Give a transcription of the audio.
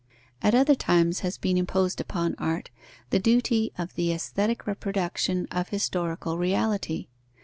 At other times has been imposed upon art the duty of the aesthetic reproduction of historical reality.